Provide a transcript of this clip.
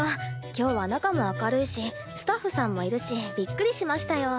今日は中も明るいしスタッフさんもいるしびっくりしましたよ。